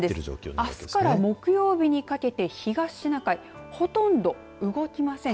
あすから木曜日にかけて東シナ海ほとんど動きません。